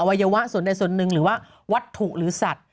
วัยวะส่วนใดส่วนหนึ่งหรือว่าวัตถุหรือสัตว์